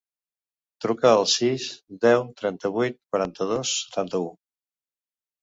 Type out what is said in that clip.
Truca al sis, deu, trenta-vuit, quaranta-dos, setanta-u.